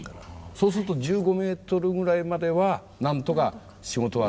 そうすると１５ｍぐらいまではなんとか仕事は。